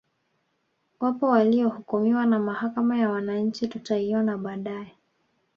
Wapo waliohukumiwa na Mahakama ya wananchi tutaiona baadae